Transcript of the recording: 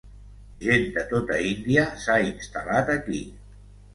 Gent de tota Índia s'ha instal·lat aquí.